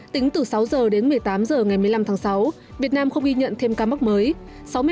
tính từ sáu h đến một mươi tám h ngày một mươi năm tháng sáu việt nam không ghi nhận thêm ca mắc mới